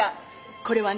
これはね